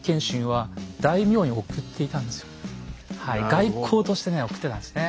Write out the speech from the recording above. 外交としてね贈ってたんですね。